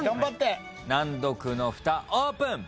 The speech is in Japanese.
難読のふたオープン！